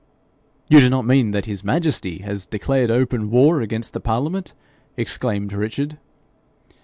'You do not mean that his majesty has declared open war against the parliament?' exclaimed Richard.